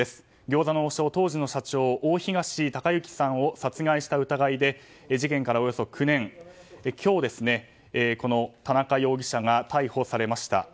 餃子の王将、当時の社長大東隆行さんを殺害した疑いで事件からおよそ９年今日、田中容疑者が逮捕されました。